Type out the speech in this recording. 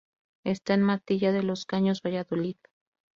Está en Matilla de los Caños, Valladolid.